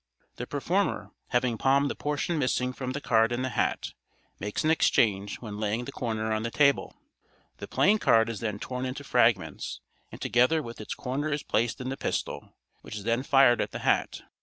The performer, having palmed the portion missing from the card in the hat, makes an exchange when laying the corner on the table. The plain card is then torn into fragments, and together with its corner is placed in the pistol, which is then fired at the hat.